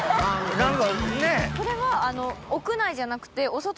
これは屋内じゃなくて。